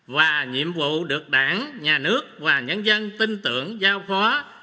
và nhiệm vụ được đảng nhà nước và nhân dân tin tưởng giao phó